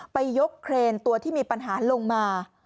ยกเครนตัวที่มีปัญหาลงมา